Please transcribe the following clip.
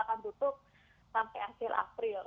akan tutup sampai akhir april